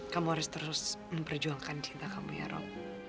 kamu harus terus memperjuangkan cinta kamu ya rab